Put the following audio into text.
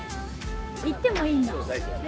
行ってもいいんだ。